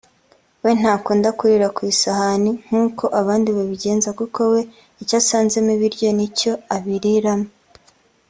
we ntakunda kurira ku isahani nkuko abandi babigenza kuko we icyo asanzemo ibiryo ni cyo abiriramo